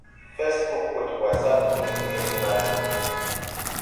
Fɛsbug wɔ de wasap diŋ ŋdel ɗalge.